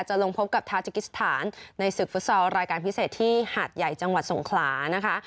ลงพบกับทาจิกิสถานในศึกฟุตซอลรายการพิเศษที่หาดใหญ่จังหวัดสงขลานะคะ